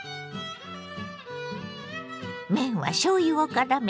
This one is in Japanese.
麺はしょうゆをからめ